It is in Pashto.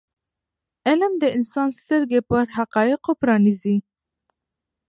علم د انسان سترګې پر حقایضو پرانیزي.